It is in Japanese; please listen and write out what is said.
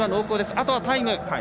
あとはタイム。